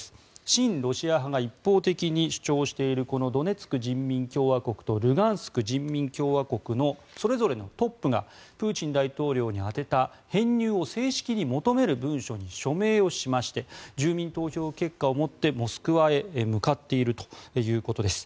親ロシア派が一方的に主張しているドネツク人民共和国とルガンスク人民共和国のそれぞれのトップがプーチン大統領に宛てた編入を正式に求める文書に署名をしまして住民投票結果を持ってモスクワへ向かっているということです。